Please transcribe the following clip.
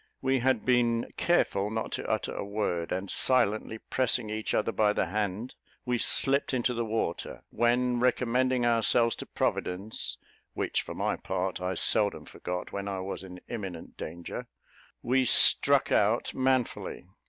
We had been careful not to utter a word; and, silently pressing each other by the hand, we slipped into the water; when, recommending ourselves to Providence, which, for my part, I seldom forgot when I was in imminent danger, we struck out manfully.